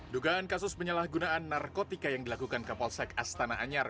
dugaan kasus penyalahgunaan narkotika yang dilakukan kapolsek astana anyar